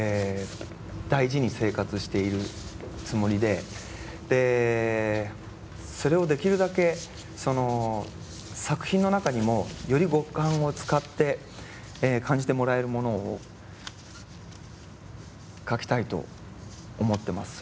大事に生活しているつもりででそれをできるだけその作品の中にもより五感を使って感じてもらえるものを書きたいと思ってます。